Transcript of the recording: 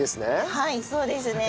はいそうですね。